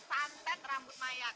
santet rambut mayat